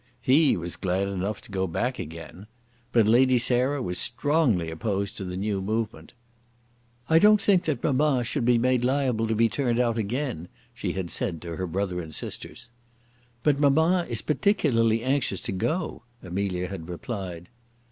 He was glad enough to go back again. But Lady Sarah was strongly opposed to the new movement. "I don't think that mamma should be made liable to be turned out again," she had said to her brother and sisters. "But mamma is particularly anxious to go," Amelia had replied.